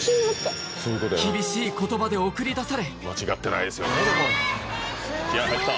厳しい言葉で送り出され